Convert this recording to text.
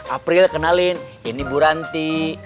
april kenalin ini bu ranti